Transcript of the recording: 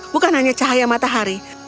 bukan hanya cahaya matahari